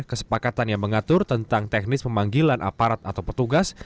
kesepakatan yang mengatur tentang teknis pemanggilan aparat atau petugas